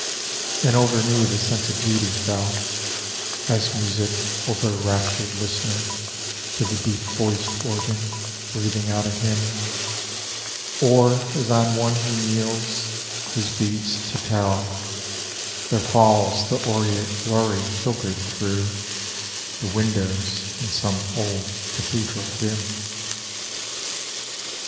And over me the sense of beauty fell, As music over a raptured listener to The deep voiced organ breathing out a hymn; Or as on one who kneels, his beads to tell, There falls the aureate glory filtered through The windows in some old cathedral dim.